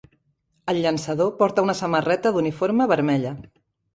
El llançador porta una samarreta d'uniforme vermella